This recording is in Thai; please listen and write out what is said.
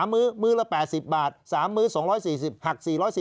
มื้อมื้อละ๘๐บาท๓มื้อ๒๔๐หัก๔๔๐